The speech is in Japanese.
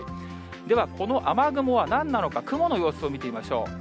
ではこの雨雲はなんなのか、雲の様子を見てみましょう。